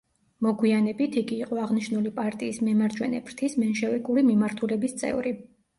მოგვიანებით იგი იყო აღნიშნული პარტიის მემარჯვენე ფრთის, მენშევიკური მიმართულების წევრი.